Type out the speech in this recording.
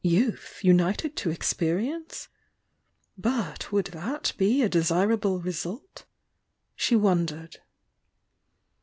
— youth, united to experience? — but would that be a desir able result? She wondered.